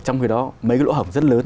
trong khi đó mấy cái lỗ hổng rất lớn